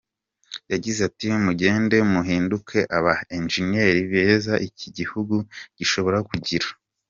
Yagize ati “Mugende muhinduke aba Engineers beza iki gihugu gishobora kugira.